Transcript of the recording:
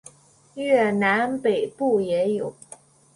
越南北部也有。